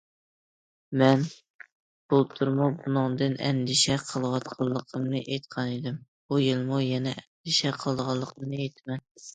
مەن بۇلتۇرمۇ بۇنىڭدىن ئەندىشە قىلىۋاتقانلىقىمنى ئېيتقانىدىم، بۇ يىلمۇ يەنە ئەندىشە قىلىدىغانلىقىمنى ئېيتىمەن.